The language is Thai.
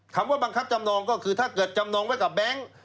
คำว่าบังคับจำนองก็คือถ้าเกิดจำนองไว้กับแบงค์